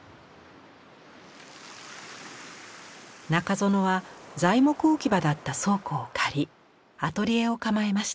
中園は材木置き場だった倉庫を借りアトリエを構えました。